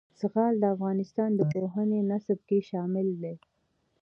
زغال د افغانستان د پوهنې نصاب کې شامل دي.